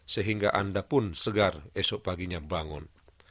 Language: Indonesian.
sehingga anda pun segar esok paginya bangun